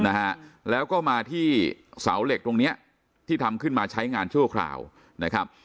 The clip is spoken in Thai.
นะฮะแล้วก็มาที่เสาเหล็กตรงเนี้ยที่ทำขึ้นมาใช้งานชั่วคราวนะครับ